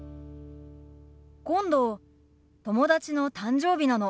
今度友達の誕生日なの。